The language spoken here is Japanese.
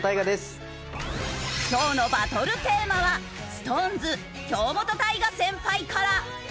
今日のバトルテーマはＳｉｘＴＯＮＥＳ京本大我先輩から。